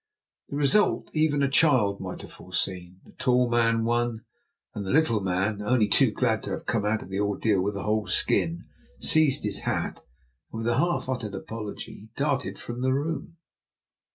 The result even a child might have foreseen. The tall man won, and the little man, only too glad to have come out of the ordeal with a whole skin, seized his hat and, with a half uttered apology, darted from the room.